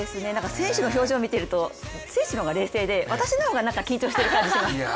選手の表情を見ていると選手の方が冷静で私の方が緊張してる感じします。